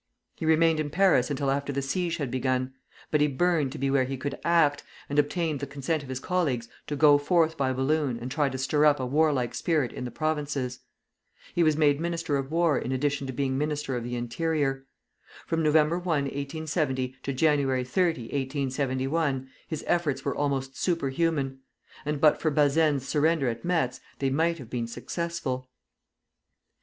He remained in Paris until after the siege had begun; but he burned to be where he could act, and obtained the consent of his colleagues to go forth by balloon and try to stir up a warlike spirit in the Provinces. He was made Minister of War in addition to being Minister of the Interior. From Nov. 1, 1870, to Jan. 30, 1871, his efforts were almost superhuman; and but for Bazaine's surrender at Metz, they might have been successful.